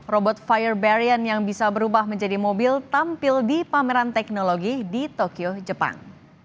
robot fire barian yang bisa berubah menjadi mobil tampil di pameran teknologi di tokyo jepang